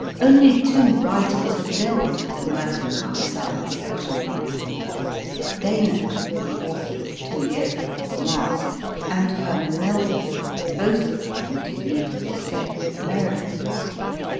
Only two writers had dealt with the mercantile side of the ocean life Dana, the author of Two OF THE CRKW Years before the Mast, and Herman Melville, both of them, it is needless to say, Americans.